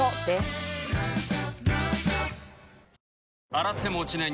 洗っても落ちない